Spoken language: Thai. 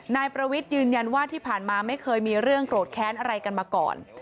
นายประวิทย์ยืนยันว่าที่ผ่านมาไม่เคยมีเรื่องโกรธแค้นอะไรกันมาก่อน